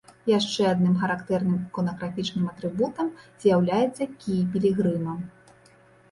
Яшчэ адным характэрным іконаграфічным атрыбутам з'яўляецца кій пілігрыма.